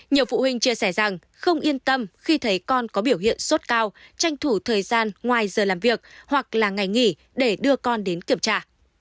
nhiều phụ huynh chia sẻ rằng không yên tâm khi thấy con có biểu hiện sốt cao tranh thủ thời gian ngoài giờ làm việc hoặc là ngày nghỉ để đưa con đến kiểm tra